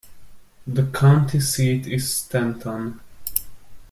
The county seat is Stanton.